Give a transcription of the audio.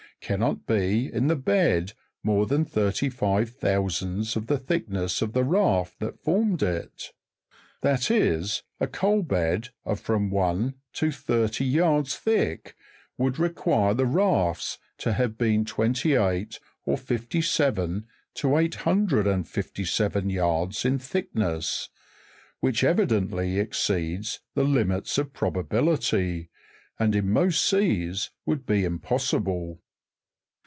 cannot be, in the bed, more than thirty nve thousands of the thickness of the rail that formed it : that is, a coal bed of from one or two to thirty yards thick, would require the rafts to have been twenty eight or fifty seven, to eight hundred and fifty seven yards in thickness, which evidently exceeds the limits of probability,, and in most seas would be impossible.